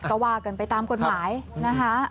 ก็ว่ากันไปตามกฎหมายนะคะ